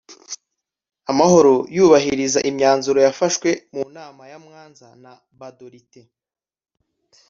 amahoro yubahiriza imyanzuro y'afashwe mu manama ya mwanza na gbadolite.